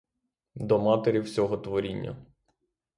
До матері всього творіння.